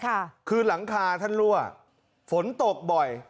ค่ะคือหลังคาท่านรั่วฝนตกบ่อย